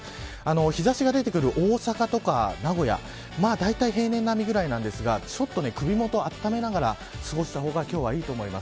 日差しが出てくる大阪とか名古屋だいたい平年並みぐらいなんですがちょっと首元を温めながら過ごした方が今日はいいと思います。